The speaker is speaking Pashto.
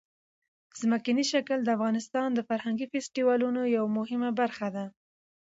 ځمکنی شکل د افغانستان د فرهنګي فستیوالونو یوه مهمه برخه ده.